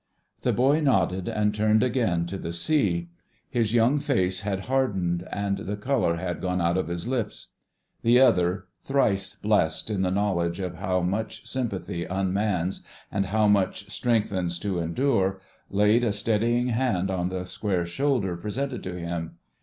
The boy nodded and turned again to the sea. His young face had hardened, and the colour had gone out of his lips. The other, thrice blessed in the knowledge of how much sympathy unmans, and how much strengthens to endure, laid a steadying hand on the square shoulder presented to him.